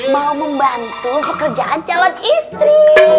mau membantu pekerjaan calon istri